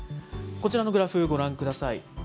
こちらのグラフ、ご覧ください。